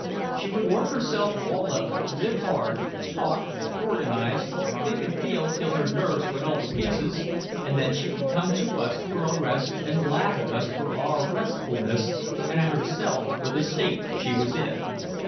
She would work herself all up, live hard, talk, organize, think and feel till her nerves went all to pieces, and then she would come to us for a rest and laugh at us for our restfulness and at herself for the state she was in.